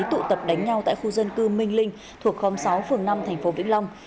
tụ tập đánh nhau tại khu dân cư minh linh thuộc khóm sáu phường năm tp vĩnh long